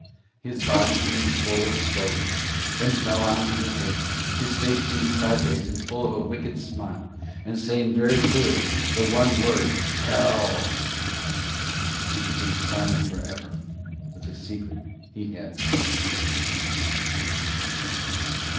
His body leaned forward slowly, then fell on to the table, his face being sideways and full of a wicked smile, and, saying very clearly the one word, "Hell," he became silent for ever with the secret he had from the sea.